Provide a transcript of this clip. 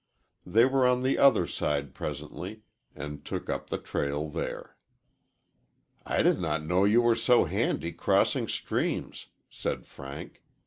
They were on the other side presently, and took up the trail there. "I did not know you were so handy crossing streams," said Frank.